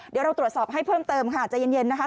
เดี๋ยวเราตรวจสอบให้เพิ่มเติมค่ะใจเย็นนะคะ